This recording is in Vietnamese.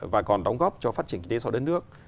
và còn đóng góp cho phát triển kinh tế sau đất nước